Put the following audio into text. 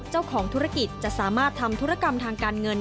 เจ้าของธุรกิจจะสามารถทำธุรกรรมทางการเงิน